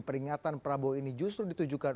peringatan prabowo ini justru ditujukan